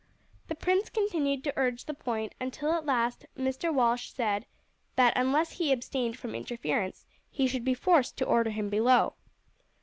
The prince continued to urge the point, until at last Mr. Walsh said "that unless he abstained from interference he should be forced to order him below."